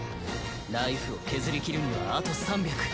ライフを削り切るにはあと３００。